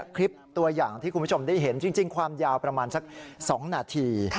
คลิปตัวอย่างที่คุณผู้ชมได้เห็นจริงความยาวประมาณสัก๒นาที